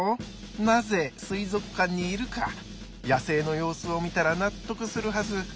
なぜ水族館にいるか野生の様子を見たら納得するはず。